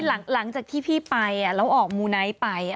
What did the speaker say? หลังจากที่พี่ไปแล้วออกมูไนท์ไป